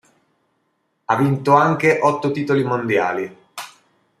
Ha vinto anche otto titoli mondiali.